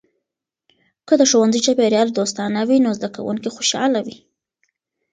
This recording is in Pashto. که د ښوونځي چاپیریال دوستانه وي، نو زده کونکي خوشحاله وي.